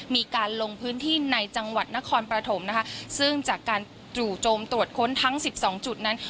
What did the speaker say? มีการลงพื้นที่ในจังหวัดนครปฐมนะคะซึ่งจากการจู่โจมตรวจค้นทั้งสิบสองจุดนั้น